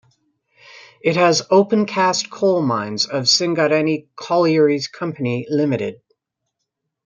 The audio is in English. It has open cast coal mines of Singareni Collieries Company Limited.